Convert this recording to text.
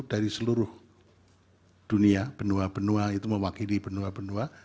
dari seluruh dunia benua benua itu mewakili benua benua